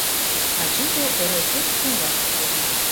Ачаже орол пӧрт чоҥгашак кодын.